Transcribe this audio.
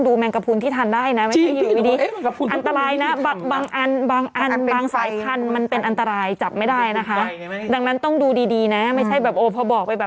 ยำทิปแต่มันน้อยมากนะประมาณนี้นะคะ